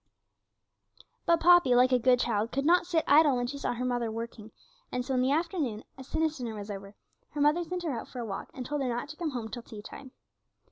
But Poppy, like a good child, could not sit idle when she saw her mother working, and so in the afternoon, as soon as dinner was over, her mother sent her out for a walk, and told her not to come home till tea time.